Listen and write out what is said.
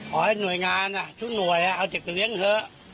ขอให้หน่วยงานทุกหน่วยเอาเด็กไปเลี้ยงเถอะ